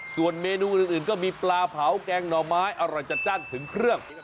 ส่วนเมนูอื่นก็มีปลาเผาแกงหน่อไม้อร่อยจัดจ้านถึงเครื่อง